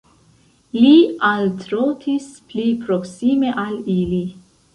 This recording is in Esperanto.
Li altrotis pli proksime al ili.